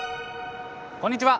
こんにちは。